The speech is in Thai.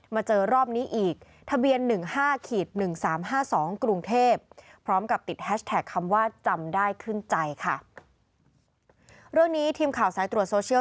แฮชแท็กคำว่าจำได้ขึ้นใจค่ะเรื่องนี้ทีมข่าวสายตรวจโซเชียล